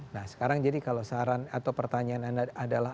nah sekarang jadi kalau saran atau pertanyaan anda adalah